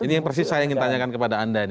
ini yang persis saya ingin tanyakan kepada anda ini